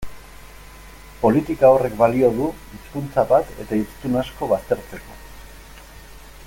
Politika horrek balio du hizkuntza bat eta hiztun asko baztertzeko.